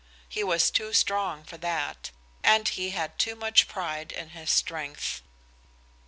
He was too strong for that, and he had too much pride in his strength.